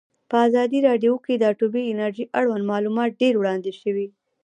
په ازادي راډیو کې د اټومي انرژي اړوند معلومات ډېر وړاندې شوي.